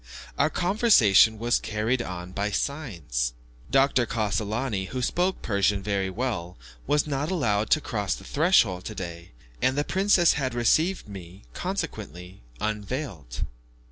Our conversation was carried on by signs. Dr. Cassolani, who spoke Persian very well, was not allowed to cross the threshold today, and the princess had received me, consequently, unveiled.